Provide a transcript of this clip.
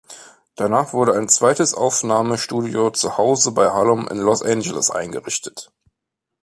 Danach wurde ein zweites Aufnahmestudio Zuhause bei Hullum in Los Angeles eingerichtet.